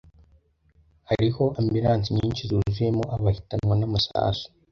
Hariho ambilansi nyinshi zuzuyemo abahitanwa n’amasasu.